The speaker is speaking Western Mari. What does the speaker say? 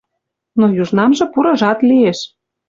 Но южнамжы пурыжат лиэш.